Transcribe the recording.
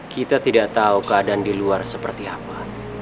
kita tidak tahu keadaan di luar seperti apa